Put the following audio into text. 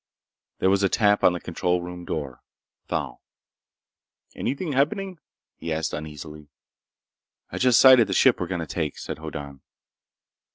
There was a tap on the control room door. Thal. "Anything happening?" he asked uneasily. "I just sighted the ship we're going to take," said Hoddan.